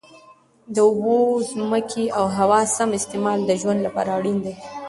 د اوبو، ځمکې او هوا سم استعمال د ژوند لپاره اړین دی.